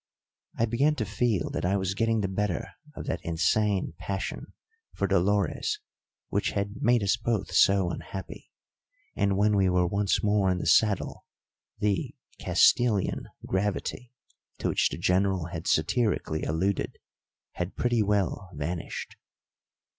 I began to feel that I was getting the better of that insane passion for Dolores which had made us both so unhappy, and when we were once more in the saddle the "Castilian gravity," to which the General had satirically alluded, had pretty well vanished.